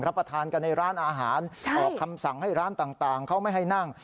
ประทานกันในร้านอาหารออกคำสั่งให้ร้านต่างเขาไม่ให้นั่ง